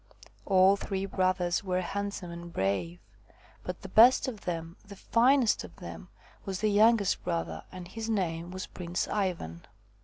All three brothers were hand some and brave, but the best of them, the finest of them, was the youngest brother, and his name was Prince Ivan.